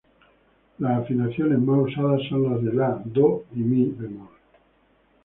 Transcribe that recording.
Las afinaciones más usadas son las de "la", "do" y "mi" bemol.